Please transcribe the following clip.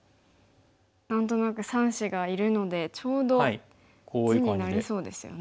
何となく３子がいるのでちょうど地になりそうですよね。